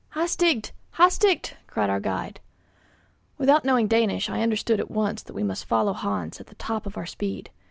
"Hastigt! hastigt!" cried our guide. Without knowing Danish I understood at once that we must follow Hans at the top of our speed.